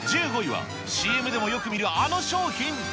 １５位は、ＣＭでもよく見るあの商品。